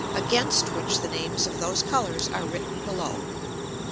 against which the Names of those Colours are written below.